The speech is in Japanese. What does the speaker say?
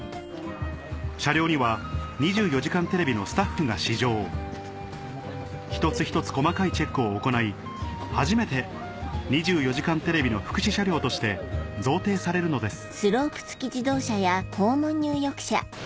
車両には『２４時間テレビ』のスタッフが試乗１つ１つ細かいチェックを行い初めて『２４時間テレビ』の福祉車両として贈呈されるのです